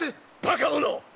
バカ者！